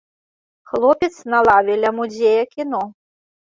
Хлопец на лаве ля музея кіно.